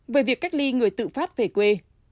về việc cách ly người tự phát về quê